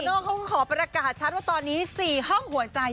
เขาก็ขอประกาศชัดว่าตอนนี้๔ห้องหัวใจ